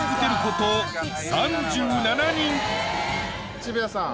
渋谷さん